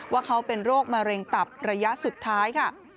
ว่าเขาเป็นโรคมะเร็งตับระยะสุดท้ายค่ะ